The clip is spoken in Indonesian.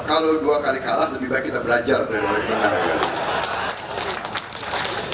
kalau dua kali kalah lebih baik kita belajar dari orang yang benar